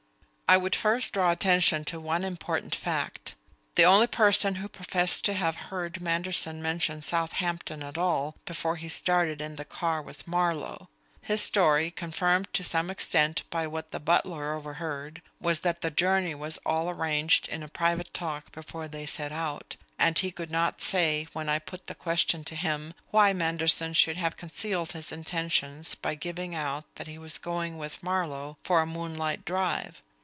I would first draw attention to one important fact. _The only person who professed to have heard Manderson mention Southampton at all before he started in the car was Marlowe._ His story confirmed to some extent by what the butler overheard was that the journey was all arranged in a private talk before they set out, and he could not say, when I put the question to him, why Manderson should have concealed his intentions by giving out that he was going with Marlowe for a moonlight drive.